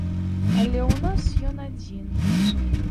Але ў нас ён адзін.